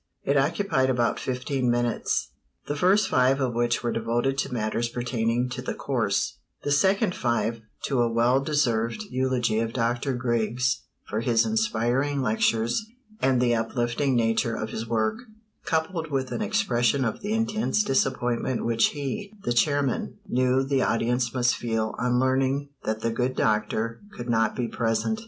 It occupied about fifteen minutes, the first five of which were devoted to matters pertaining to the course; the second five to a well deserved eulogy of Dr. Griggs for his inspiring lectures and the uplifting nature of his work, coupled with an expression of the intense disappointment which he, the chairman, knew the audience must feel on learning that the good doctor could not be present.